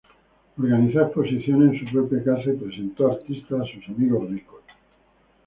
Organizó exposiciones en su propia casa y presentó artistas a sus amigos ricos.